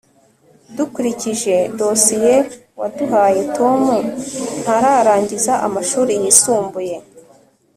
dukurikije dosiye waduhaye, tom ntararangiza amashuri yisumbuye